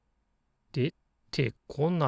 出てこない？